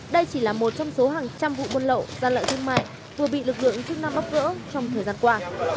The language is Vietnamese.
đây chỉ là một trong số hàng trăm vụ buôn lậu ra lợi thương mại vừa bị lực lượng chức năng bắt gỡ trong thời gian qua